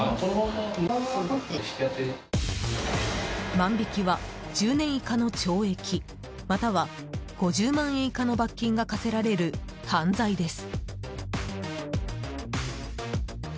万引きは、１０年以下の懲役または５０万円以下の罰金が科せられる犯罪です。